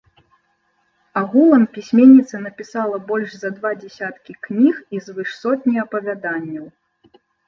Агулам пісьменніца напісала больш за два дзясяткі кніг і звыш сотні апавяданняў.